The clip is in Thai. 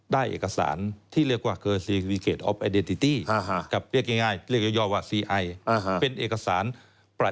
ได้เอกสารที่เรียกว่า